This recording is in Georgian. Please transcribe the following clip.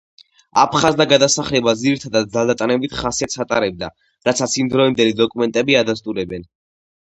აფხაზთა გადასახლება, ძირითადად, ძალდატანებით ხასიათს ატარებდა, რასაც იმდროინდელი დოკუმენტები ადასტურებენ.